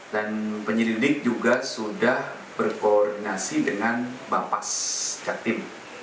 dan penyelidik juga sudah berkoordinasi dengan bapas jatim